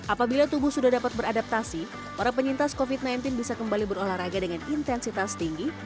apabila tubuh sudah dapat beradaptasi para penyintas covid sembilan belas bisa kembali berolahraga dengan intensitas tinggi